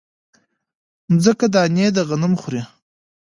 مځکه دانې د غنم خوري